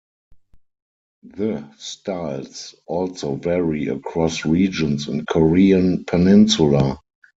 The styles also vary across regions in Korean Peninsula.